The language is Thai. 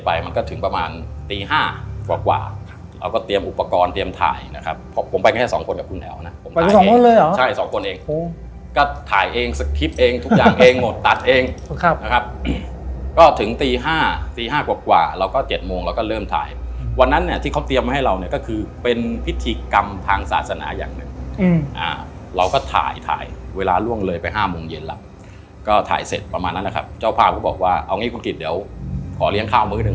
ไปมันก็ถึงประมาณตีห้ากว่ากว่าเราก็เตรียมอุปกรณ์เตรียมถ่ายนะครับผมไปแค่สองคนกับคุณแอลนะสองคนเลยเหรอใช่สองคนเองก็ถ่ายเองสคริปเองทุกอย่างเองหมดตัดเองครับนะครับก็ถึงตีห้าตีห้ากว่ากว่าเราก็เจ็ดโมงเราก็เริ่มถ่ายวันนั้นเนี่ยที่เขาเตรียมมาให้เราเนี่ยก็คือเป็นพิธีกรรมทางศาสนาอย่างหนึ่ง